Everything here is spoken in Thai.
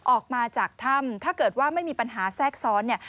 ออกมาจากถ้ำถ้าเกิดว่าไม่มีปัญหาแทรกซ้อนเนี่ย